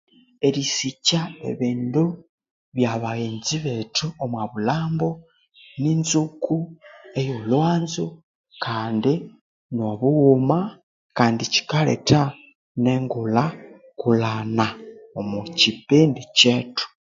Erisikya ebindu bya baghenzi bethu omwa bulhambo, ninzuko eyo olhwanzo kandi nobughuma kandi kyikaletha ne ngulhakulhana omwa kyipindi kyethu.